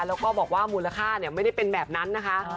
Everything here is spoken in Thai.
แล้วก็บอกว่ามูลค่าไม่ได้เป็นแบบนั้นนะคะ